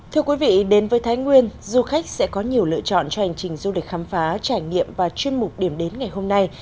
thưa quý vị đến với thái nguyên du khách sẽ có nhiều lựa chọn cho hành trình du lịch khám phá trải nghiệm và chuyên mục điểm đến ngày hôm nay